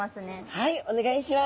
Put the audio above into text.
はいお願いします。